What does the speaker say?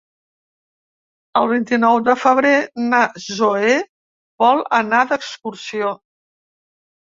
El vint-i-nou de febrer na Zoè vol anar d'excursió.